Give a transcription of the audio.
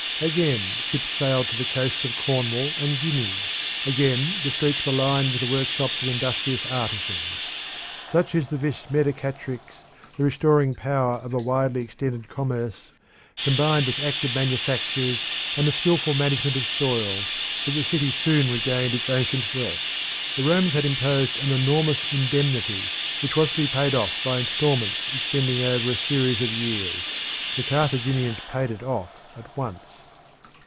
Again ships sailed to the coasts of Cornwall and Guinea; again the streets were lined with the workshops of industrious artisans. Such is the vis medicatrix, the restoring power of a widely extended commerce, combined with active manufactures and the skilful management of soil, that the city soon regained its ancient wealth. The Romans had imposed an enormous indemnity which was to be paid off by instalments extending over a series of years. The Carthaginians paid it off at once.